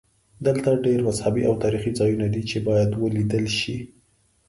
دلته ډېر مذهبي او تاریخي ځایونه دي چې باید ولیدل شي.